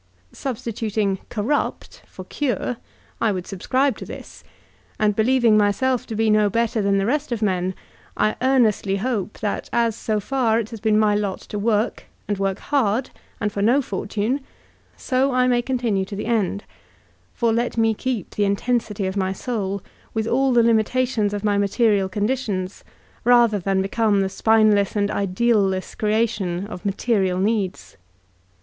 *' Sub stituting "corrupt'' for "cure/' I would subscribe to this ; and believing myself to be no better than the rest of mor tals, I earnestly hope that as so far it has been my lot to work, and work hard, and for no fortune, so I may con tinue to the end ; for let me keep the integrity of my soul, with all the limitations of my material conditions, rather than become the spineless and ideal less creation of ma terial needs.